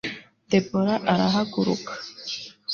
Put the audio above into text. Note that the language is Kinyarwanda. debora arahaguruka